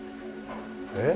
えっ？